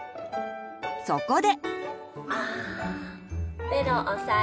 そこで。